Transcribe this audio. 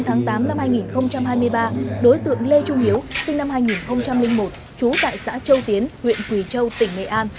ngày tám tháng tám năm hai nghìn hai mươi ba đối tượng lê trung hiếu sinh năm hai nghìn một trú tại xã châu tiến huyện quỳ châu tỉnh nghệ an